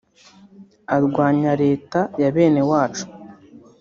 arwanya Leta ya bene wacu